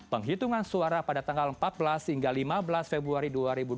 penghitungan suara pada tanggal empat belas hingga lima belas februari dua ribu dua puluh